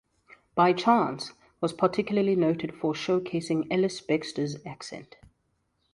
"By Chance" was particularly noted for showcasing Ellis-Bextor's accent.